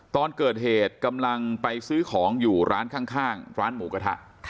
ตอนเกิดเหตุกำลังไปซื้อของอยู่ร้านข้างร้านหมูกระทะ